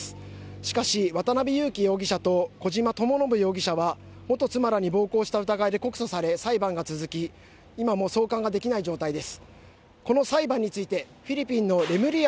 しかし渡辺優樹容疑者と小島智信容疑者は元妻らに暴行した疑いで告訴され裁判が続き今も送還ができない状態です